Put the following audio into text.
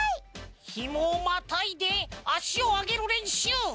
ひもをまたいであしをあげるれんしゅう。